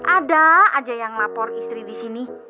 ada aja yang lapor istri di sini